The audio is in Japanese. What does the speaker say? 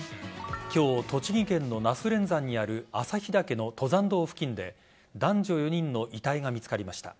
今日、栃木県の那須連山にある朝日岳の登山道付近で男女４人の遺体が見つかりました。